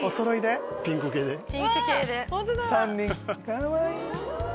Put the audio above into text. かわいい！